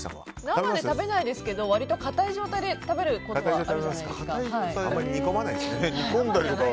生で食べないですが割とかたい状態で食べることあるじゃないですか。